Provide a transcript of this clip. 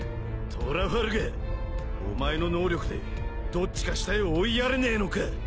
トラファルガーお前の能力でどっちか下へ追いやれねえのか？